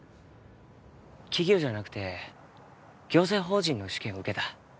企業じゃなくて行政法人の試験受けた